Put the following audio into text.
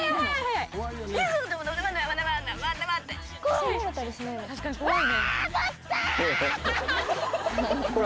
はい。